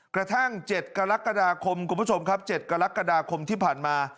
กระทั่ง๗กรกฎาคมคุณผู้ชมครับ๗กรกฎาคมที่ผ่านมา